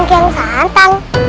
raka kian santa